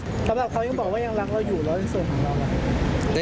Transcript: ก็แปลว่าเขายังบอกว่ายังรักเราอยู่แล้วในส่วนของเราอะไร